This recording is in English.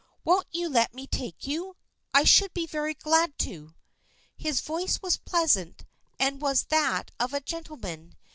Won't you let me take you ? I should be very glad to." His voice was pleasant and was that of a gentle man.